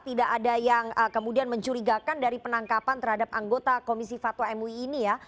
tidak ada yang kemudian mencurigakan dari penangkapan terhadap anggota komisi fatwa mui ini ya